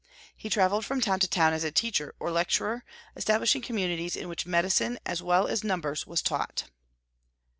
He travelled from town to town as a teacher or lecturer, establishing communities in which medicine as well as numbers was taught.